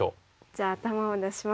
じゃあ頭を出します。